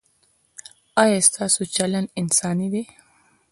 ایا ستاسو چلند انساني دی؟